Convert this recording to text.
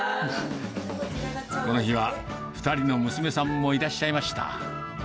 この日は、２人の娘さんもいらっしゃいました。